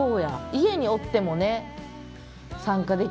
家におってもね参加できますし。